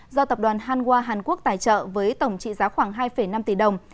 do tập đoàn hanwha hàn quốc tài trợ với tổng trị giá khoảng hai năm tỷ đồng